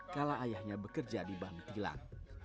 kala ayahnya bekerja di bambitilan